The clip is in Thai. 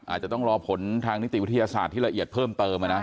อาจจะต้องรอผลทางนิติวิทยาศาสตร์ที่ละเอียดเพิ่มเติม